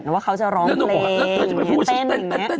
ตามว่าเค้าจะร้องเพลง